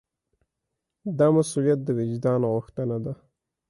دا مسوولیت د وجدان غوښتنه ده.